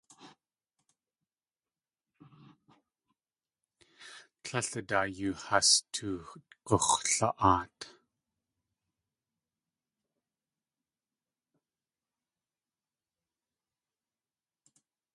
Tlél a daa yoo has tugux̲la.aat.